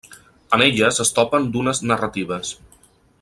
En elles es topen dunes narratives.